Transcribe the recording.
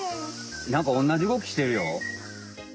なんかおんなじうごきしてるよ。